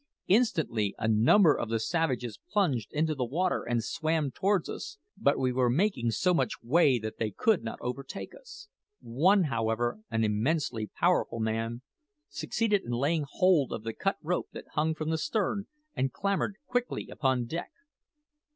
Instantly a number of the savages plunged into the water and swam towards us; but we were making so much way that they could not overtake us. One, however, an immensely powerful man, succeeded in laying hold of the cut rope that hung from the stern, and clambered quickly upon deck.